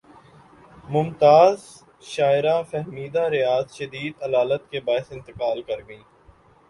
ممتاز شاعرہ فہمیدہ ریاض شدید علالت کے باعث انتقال کر گئیں